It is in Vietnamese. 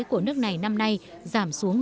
của nước này năm nay giảm xuống